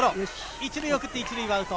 １塁送って、１塁アウト。